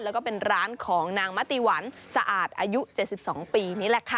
แล้วก็เป็นร้านของนางมะติหวันสะอาดอายุ๗๒ปีนี่แหละค่ะ